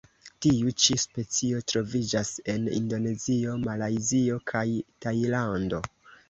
Tiu ĉi specio troviĝas en Indonezio, Malajzio kaj Tajlando.